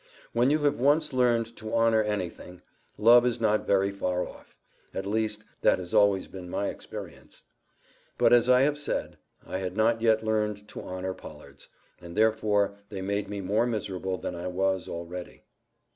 When you have once learned to honour anything, love is not very far off; at least that has always been my experience. But, as I have said, I had not yet learned to honour pollards, and therefore they made me more miserable than I was already.